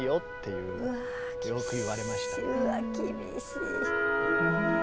うわ厳しい。